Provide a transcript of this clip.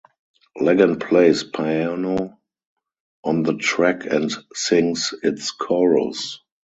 Legend plays piano on the track and sings its chorus.